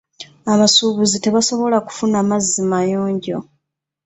Abasuubuzi tebasobola kufuna mazzi mayonjo.